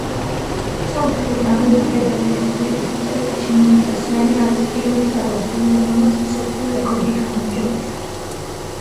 სომხეთის დამოუკიდებელი რესპუბლიკის ისტორიაში მილიტოსიანი არის პირველი ძალოსანი რომელმაც მსოფლიო რეკორდი გააუმჯობესა.